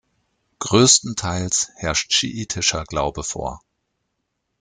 Größtenteils herrscht schiitischer Glaube vor.